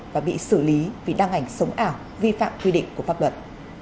vì đăng ảnh sống ảo vi phạm quy định của pháp luật